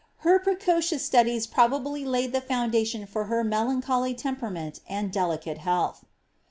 Her precociou studies probably laid the foundation for her melancholy tempeiameni and delicate health.